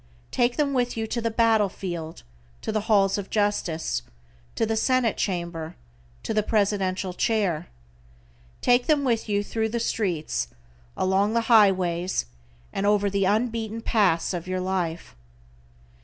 Take them with you to the battle field, to the halls of justice, to the senate chamber, to the presidential chair. Take them with you thru the streets, along the highways, and over the unbeaten paths of your life.